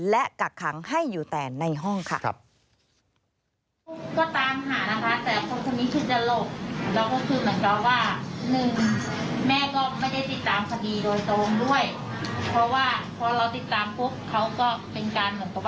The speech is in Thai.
และกักขังให้อยู่แต่ในห้องค่ะ